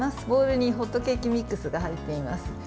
ボウルにホットケーキミックスが入っています。